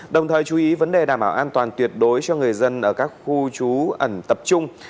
đồng thời chú ý vấn đề đảm bảo an toàn tuyệt đối cho người dân ở các khu trú ẩn tập trung